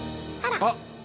あっ！